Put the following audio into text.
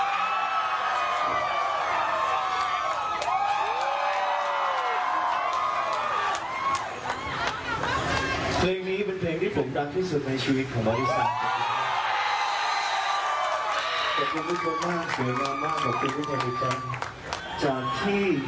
ขอบคุณมากครับ